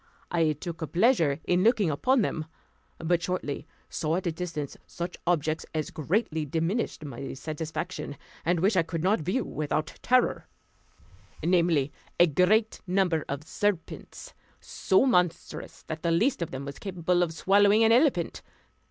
I took pleasure in looking upon them; but shortly saw at a distance such objects as greatly diminished my satisfaction, and which I could not view without terror, namely, a great number of serpents, so monstrous that the least of them was capable of swallowing an elephant.